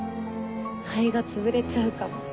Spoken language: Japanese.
肺がつぶれちゃうかも。